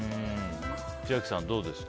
千秋さん、どうですか？